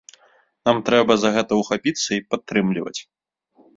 Нам трэба за гэта ўхапіцца і падтрымліваць.